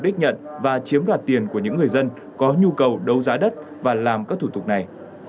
đích nhận và chiếm đoạt tiền của những người dân có nhu cầu đấu giá đất và làm các thủ tục này